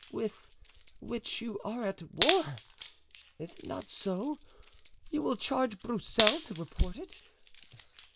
"With which you are at war—is it not so? You will charge Broussel to report it.